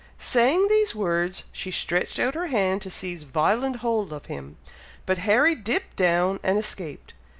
Saying these words, she stretched out her hand to seize violent hold of him, but Harry dipped down and escaped.